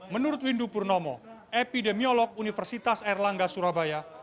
menurut windu purnomo epidemiolog universitas erlangga surabaya